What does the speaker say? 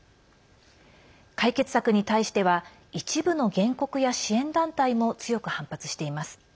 解決策に対しては一部の原告や支援団体も強く反発しています。